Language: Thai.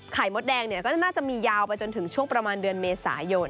มดแดงเนี่ยก็น่าจะมียาวไปจนถึงช่วงประมาณเดือนเมษายน